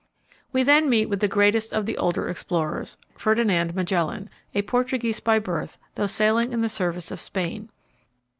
We then meet with the greatest of the older explorers, Ferdinand Magellan, a Portuguese by birth, though sailing in the service of Spain.